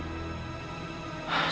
astaghfirullahalazim ya allah